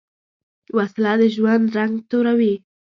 وسله د ژوند رنګ توروې